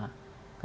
ketiga ya kan